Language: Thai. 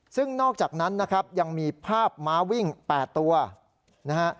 ซึ่งนอกจากนั้นนะครับยังมีภาพม้าวิ่ง๘ตัวนะฮะ